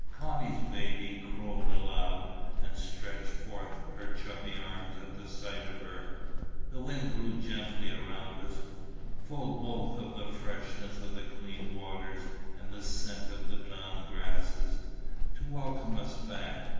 Connie's baby crowed aloud, and stretched forth her chubby arms at sight of her. The wind blew gently around us, full both of the freshness of the clean waters and the scents of the down grasses, to welcome us back.